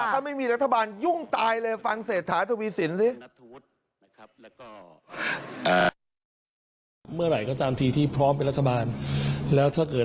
ถ้าไม่มีรัฐบาลยุ่งตายเลยฟังเศรษฐาทวีสินสิ